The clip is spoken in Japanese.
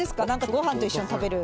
ご飯と一緒に食べる。